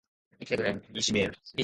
③ 短期、中期、長期的な戦略を兼ね備えている